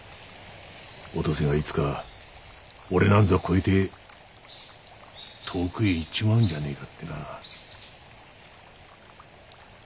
お登世がいつか俺なんぞは越えて遠くへ行っちまうんじゃねえかってな。